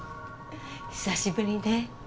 久しぶりね